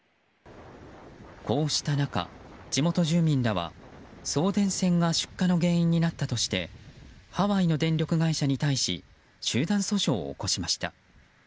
こうした中、地元住民らは送電線が出火の原因になったとしてハワイの電力会社に対し集団訴訟を起こしました。